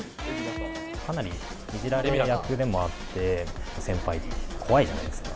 かなりいじられ役でもあって、先輩って怖いじゃないですか。